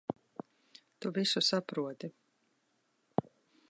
Tu visu saproti.